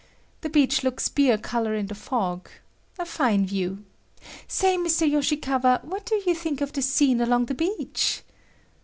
The beach looks beer color in the fog. A fine view. Say, Mr. Yoshikawa, what do you think of the scene along the beach?